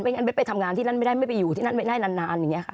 งั้นไปทำงานที่นั่นไม่ได้ไม่ไปอยู่ที่นั่นไม่ได้นานอย่างนี้ค่ะ